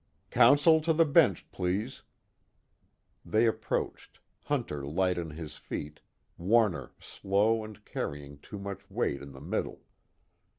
"Counsel to the bench, please." They approached, Hunter light on his feet, Warner slow and carrying too much weight in the middle.